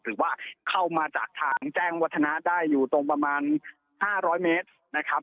หรือว่าเข้ามาจากทางแจ้งวัฒนะได้อยู่ตรงประมาณ๕๐๐เมตรนะครับ